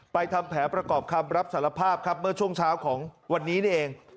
ทำแผนประกอบคำรับสารภาพครับเมื่อช่วงเช้าของวันนี้นี่เอง